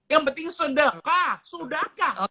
yang penting sudah kak sudah kak